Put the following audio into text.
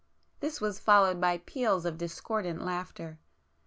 This was followed by peals of discordant laughter.